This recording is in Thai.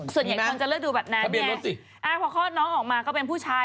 ส่วนใหญ่คนจะเลือกดูแบบนั้นไงพอคลอดน้องออกมาก็เป็นผู้ชาย